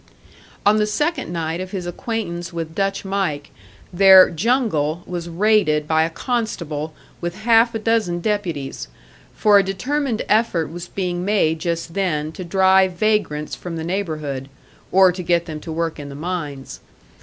On the second night of his acquaintance with "Dutch Mike," their "jungle" was raided by a constable with half a dozen deputies; for a determined effort was being made just then to drive vagrants from the neighbourhood or to get them to work in the mines.